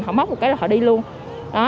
họ móc một cái là họ đi luôn